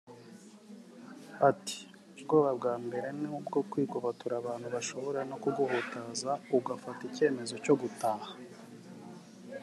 Ati “ Ubwoba bwa Mbere ni ubwo kwigobotora abantu bashobora no kuguhutaza ugafata icyemezo cyo gutaha